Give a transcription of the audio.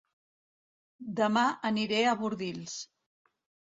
Dema aniré a Bordils